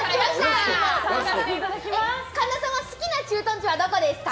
神田さんは好きな駐屯地はどこですか？